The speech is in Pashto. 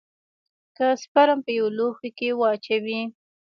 که سپرم په يوه لوښي کښې واچوې.